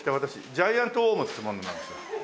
ジャイアントワームっていう者なんですが。